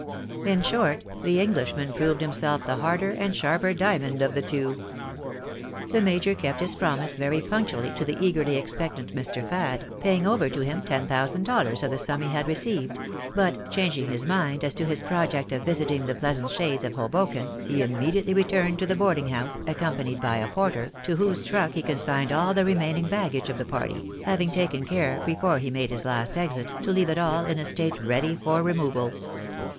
In short, the Englishman proved himself the harder and sharper diamond of the two. The major kept his promise very punctually to the eagerly expectant Mr. Fad, paying over to him ten thousand dollars of the sum he had received, but, changing his mind as to his project of visiting the pleasant shades of Hobokan, he immediately returned to the boarding house, accompanied by a porter, to whose truck he consigned all the remaining baggage of the party, having taken care, before he made his last exit, to leave it aU in a state ready for removal.